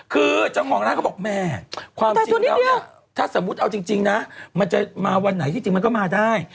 คือเจ้าของร้านเขาบอกแม่ความจริงแล้วเนี่ยถ้าสมมุติเอาจริงนะมันจะมาวันไหนที่จริงมันก็มาได้